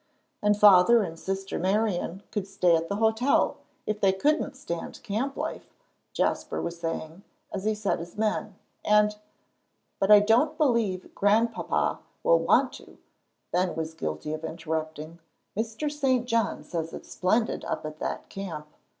"And Father and Sister Marian could stay at the hotel, if they couldn't stand camp life," Jasper was saying, as he set his men. "And " "But I don't believe Grandpapa will want to," Ben was guilty of interrupting. "Mr. St. John says its splendid up at that camp.